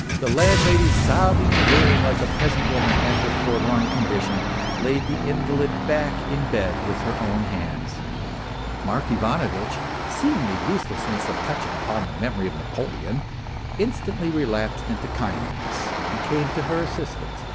The landlady, sobbing and wailing like a peasant woman at her forlorn condition, laid the invalid back in bed with her own hands. Mark Ivanovitch, seeing the use of touching upon the memory of Napoleon, instantly MR. PROHARTCHTN relapsed into kindliness and came to her assistance.